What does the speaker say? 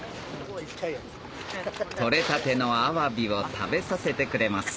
獲れたてのアワビを食べさせてくれます